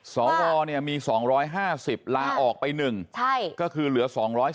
สวมี๒๕๐ลาออกไป๑ก็คือเหลือ๒๗